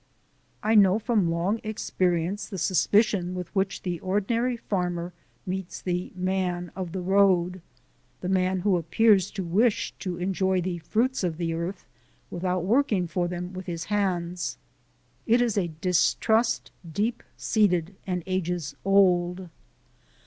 I know from long experience the suspicion with which the ordinary farmer meets the Man of the Road the man who appears to wish to enjoy the fruits of the earth without working for them with his hands. It is a distrust deep seated and ages old.